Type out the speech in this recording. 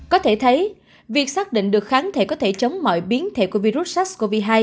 có thể thấy việc xác định được kháng thể có thể chống mọi biến thể của virus sars cov hai